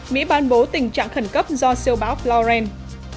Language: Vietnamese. mỹ ban bố tình trạng khẩn cấp do siêu báo florence